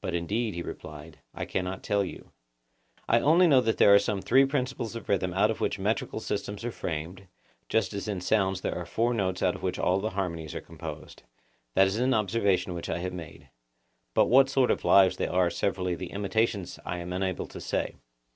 But, indeed, he replied, I cannot tell you. I only know that there are some three principles of rhythm out of which metrical systems are framed, just as in sounds there are four notes (i.e. the four notes of the tetrachord.) out of which all the harmonies are composed; that is an observation which I have made. But of what sort of lives they are severally the imitations I am unable to say.